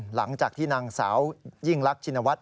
หลังจากที่นางสาวยิ่งรักชินวัฒน